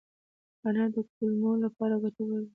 انار د کولمو لپاره ګټور دی.